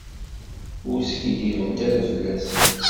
Ur skiddibent ara fell-asen.